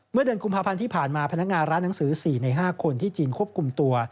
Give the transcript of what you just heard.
เมื่อเดือนกุมภาพันธ์ที่ผ่านมาพนักงานร้านหนังสือ๔ใน๕คนที่จีนควบคุมตัว